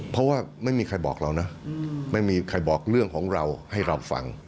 เพราะว่าไม่มีใครบอกเรานะไม่มีใครบอกเรื่องของเราให้เราฟัง